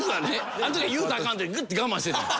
あの時は言うたらアカンってグッて我慢してたんや。